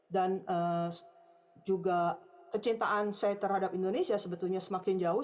dan juga kecintaan saya terhadap indonesia sebetulnya semakin jauh